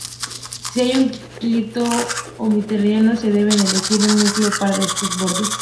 Si hay un ciclo hamiltoniano, se debe elegir un número par de estos bordes.